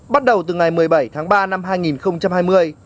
bắt đầu từ ngày một mươi bảy tháng ba năm hai nghìn hai mươi